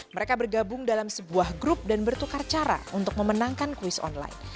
mereka bergabung dalam sebuah grup dan bertukar cara untuk memenangkan kuis online